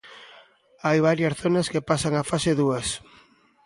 Hai varias zonas que pasan á fase dúas.